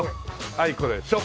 あいこでしょ！